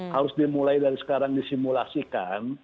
harus dimulai dari sekarang disimulasikan